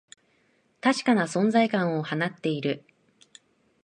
確かな存在感を放っている